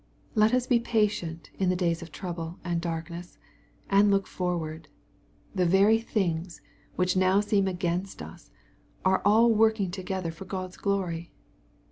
Let us be patient in the days of trouble and darkness, and look forward. The very things which now seem against us, are all working together for God's glory.